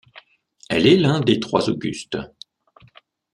Elle est l’un des Trois augustes.